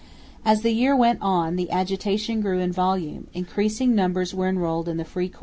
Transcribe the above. As the year went on the agitation grew in volume; increasing numbers were enrolled in the free corps.